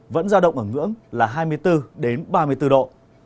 vẫn giao động ở ngưỡng là hai mươi bốn đến ba mươi bốn độ